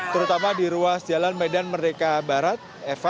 terutama di ruas jalan medan merdeka barat